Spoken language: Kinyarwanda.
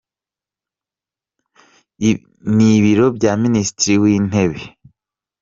n’ibiro bya Minisitiri w’Intebe wa.